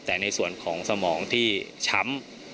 แต่ในส่วนของสมองที่ช้ำ